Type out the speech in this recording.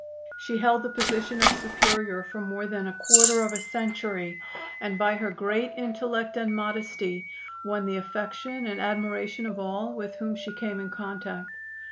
She held the position of Superior for more than a quarter of a century, and by her great intellect and modesty won the affection and admiration of all with whom she came in contact.